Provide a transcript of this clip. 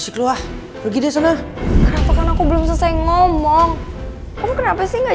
chelsea mending lo pulang ya